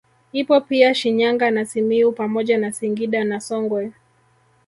Ipo pia Shinyanga na Simiyu pamoja na Singida na Songwe